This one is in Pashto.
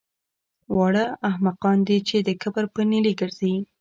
واړه احمقان دي چې د کبر په نیلي ګرځي